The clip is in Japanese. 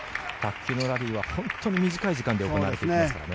卓球ラリーは本当に短い時間で行われますからね。